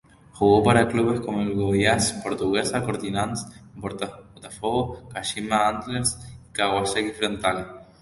Jugó para clubes como el Goiás, Portuguesa, Corinthians, Botafogo, Kashima Antlers y Kawasaki Frontale.